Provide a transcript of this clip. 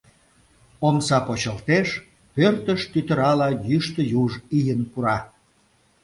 Омса почылтеш, пӧртыш тӱтырала йӱштӧ юж ийын пура.